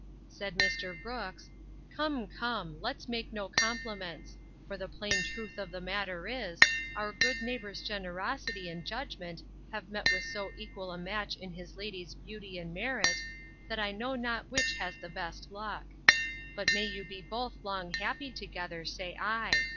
Said Mr. Brooks, Come, come, let's make no compliments; for the plain truth of the matter is, our good neighbour's generosity and judgment have met with so equal a match in his lady's beauty and merit, that I know not which has the best luck. But may you be both long happy together, say I!